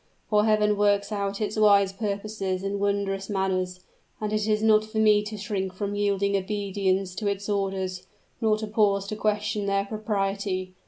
For Heaven works out its wise purposes in wondrous manners; and it is not for me to shrink from yielding obedience to its orders, nor to pause to question their propriety.